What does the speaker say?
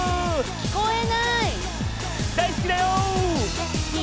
聞こえない。